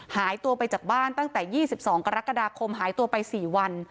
หายตัวไปจากบ้านตั้งแต่๒๒กรกฎาคมหายตัวไป๔วัน